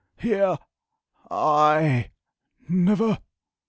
here! I! never!"